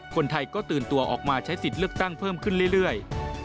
คนไทยก็ตื่นตัวออกมาใช้สิทธิ์เลือกตั้งเพิ่มขึ้นเรื่อย